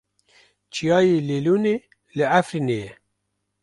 Çiyayê Lêlûnê li Efrînê ye.